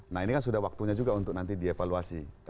nah ini kan sudah waktunya juga untuk nanti dievaluasi